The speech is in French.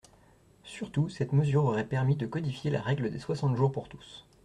Surtout, cette mesure aurait permis de codifier la règle des soixante jours pour tous.